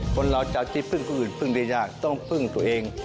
คนเราจะที่พึ่งผู้อื่นพึ่งได้ยากต้องพึ่งตัวเอง